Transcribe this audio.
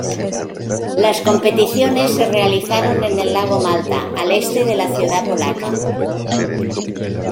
Las competiciones se realizaron en el lago Malta, al este de la ciudad polaca.